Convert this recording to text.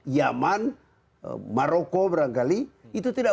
yaman maroko barangkali itu tidak